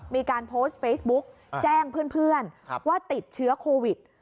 มีการโพสต์เฟซบุ๊กแจ้งเพื่อนว่าติดเชื้อโควิด